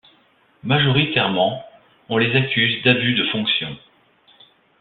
Majoritairement, on les accuse d'abus de fonction.